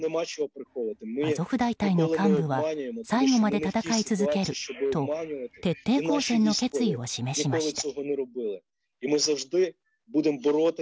アゾフ大隊の幹部は最後まで戦い続けると徹底抗戦の決意を示しました。